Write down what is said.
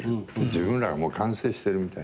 自分らが完成してるみたいな。